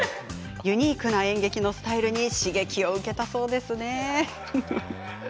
ユニークな演劇のスタイルに刺激を受けたそうですね。